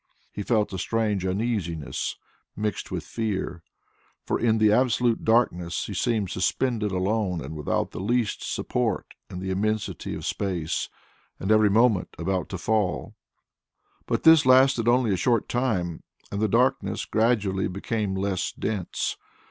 He felt a strange uneasiness mixed with fear, for in the absolute darkness he seemed suspended alone and without the least support in the immensity of space, and every moment about to fall. But this lasted only a short time, and the darkness gradually became less dense.